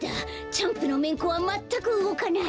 チャンプのめんこはまったくうごかない。